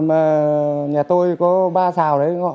mà nhà tôi có ba xào